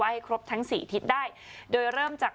ให้ครบทั้งสี่ทิศได้โดยเริ่มจาก